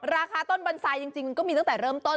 ราคาต้นบันไทจริงมันก็มีตั้งแต่เริ่มต้น